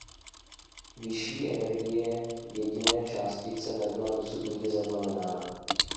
Vyšší energie jediné částice nebyla dosud nikdy zaznamenána.